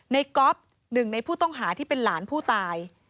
ก๊อฟหนึ่งในผู้ต้องหาที่เป็นหลานผู้ตาย